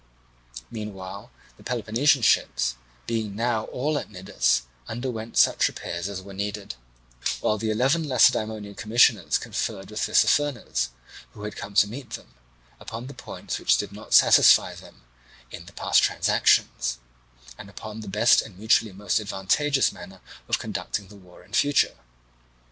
Meanwhile the Peloponnesian ships, being now all at Cnidus, underwent such repairs as were needed; while the eleven Lacedaemonian commissioners conferred with Tissaphernes, who had come to meet them, upon the points which did not satisfy them in the past transactions, and upon the best and mutually most advantageous manner of conducting the war in future.